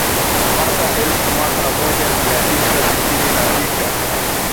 mwaka elfu mwaka elfu moja mia tisa sitini na moja